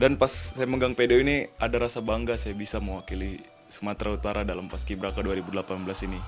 dan pas saya menggangg pedeu ini ada rasa bangga saya bisa mewakili sumatera utara dalam pas kiberaika dua ribu delapan belas ini